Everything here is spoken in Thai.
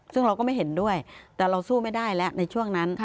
ซึ่งเราก็ไม่เห็นด้วยแต่เราสู้ไม่ได้แล้วในช่วงนั้น